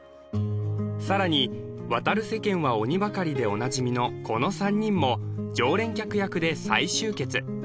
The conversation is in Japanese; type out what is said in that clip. さらに「渡る世間は鬼ばかり」でおなじみのこの３人も常連客役で再集結